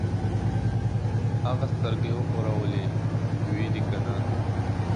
هغه سترګۍ وښورولې: وي دې کنه؟